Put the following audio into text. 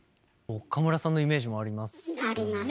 岡村さんのイメージもあります。